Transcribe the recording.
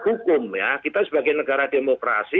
hukum ya kita sebagai negara demokrasi